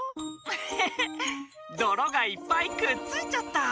フフフどろがいっぱいくっついちゃった。